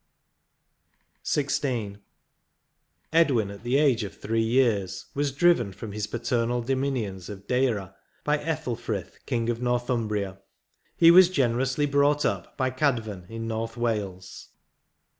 XVI. Edwin, at the age of three years, was driven from his paternal dominions of Deira by Ethel frith, king of Northumbria; he was generously brought up by Cadvan in North Wales.